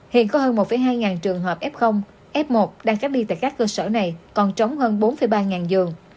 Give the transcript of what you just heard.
hiện có hơn một hai trường hợp f f một đang cách ly tại các cơ sở này còn trống hơn bốn ba giường